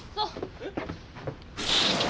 えっ？